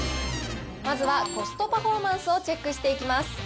まずはコストパフォーマンスをチェックしていきます。